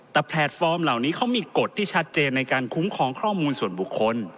แต่แพลตฟอร์มเหล่านี้เขามีกฎที่ชัดเจนในการคุ้มครองข้อมูลส่วนบุคคล